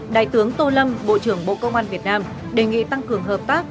đại tướng tô lâm bộ trưởng bộ công an việt nam đề nghị tăng cường hợp tác